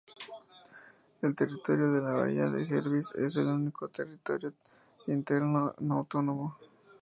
El Territorio de la Bahía de Jervis es el único territorio interno no autónomo.